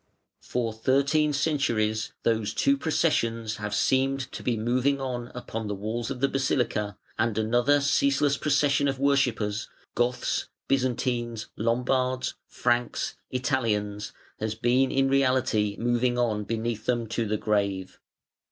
For thirteen centuries those two processions have seemed to be moving on upon the walls of the basilica, and another ceaseless procession of worshippers, Goths, Byzantines, Lombards, Franks, Italians, has been in reality moving on beneath them to the grave.